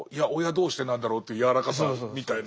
どうしてなんだろうというやわらかさみたいな。